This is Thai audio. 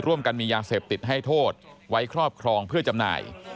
ร่วมกันมียาเสพติดให้โทษไว้ครอบครองเพื่อจำหน่าย